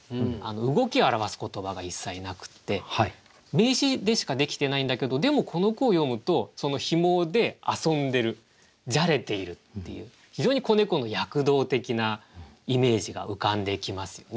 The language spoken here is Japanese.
動きを表す言葉が一切なくて名詞でしかできてないんだけどでもこの句を読むとそのひもで遊んでるじゃれているっていう非常に子猫の躍動的なイメージが浮かんできますよね。